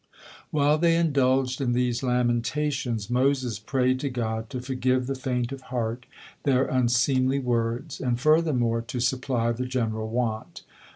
While they indulged in these lamentations, Moses prayed to God to forgive the faint of heart their unseemly words, and, furthermore, to supply the general want.